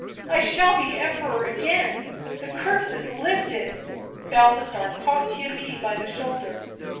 I shall be Emperor again. The curse is lifted !" Balthasar caught Theirry by the shoulder.